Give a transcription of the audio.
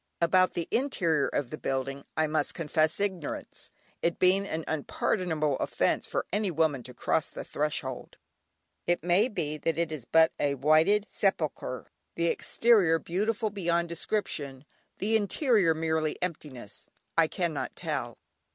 About the interior of the building I must confess ignorance, it being an unpardonable offence for any woman to cross the threshold. It may be that it is but a whited sepulchre, the exterior beautiful beyond description, the interior merely emptiness: I cannot tell.